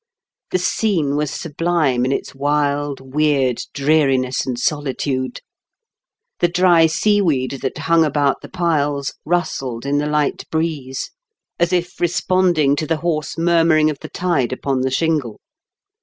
The scene was sublime in its wild, weird dreariness and solitude. The dry seaweed that hung about the pilea rustled in the light breeze, as if responding to THE DOOMED OF TEE DABK ENTRY. 181 the hoarse murmurmg of the tide upon the shingle.